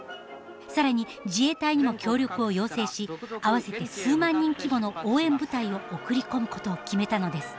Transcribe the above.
更に自衛隊にも協力を要請し合わせて数万人規模の応援部隊を送り込むことを決めたのです。